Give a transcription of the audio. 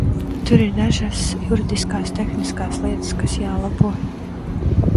Tur ir dažas juridiskās tehnikas lietas, kas jālabo.